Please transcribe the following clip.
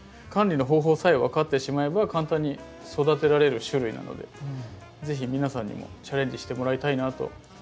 管理の方法さえ分かってしまえば簡単に育てられる種類なので是非皆さんにもチャレンジしてもらいたいなと。